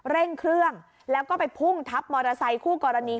เร่งเครื่องแล้วก็ไปพุ่งทับมอเตอร์ไซคู่กรณี